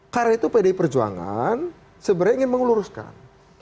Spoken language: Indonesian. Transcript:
karena itu pdi perjuangan sebenarnya ingin mengeluruskan